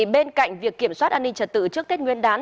bên cạnh việc kiểm soát an ninh trật tự trước tết nguyên đán